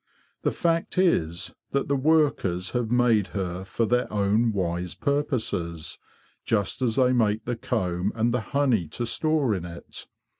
The fact is that the workers have made her for their own wise purposes, just as they make the comb and the honey to store in it.